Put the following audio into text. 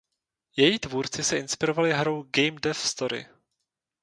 Její tvůrci se inspirovali hrou "Game Dev Story".